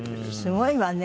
すごいわね。